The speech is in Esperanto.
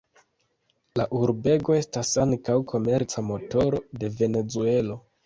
La urbego estas ankaŭ komerca motoro de Venezuelo.